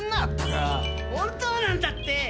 本当なんだって！